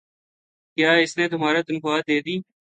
۔کیا اس نے تمہار تنخواہ دیدی؟